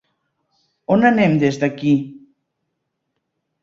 On anem des d'aquí?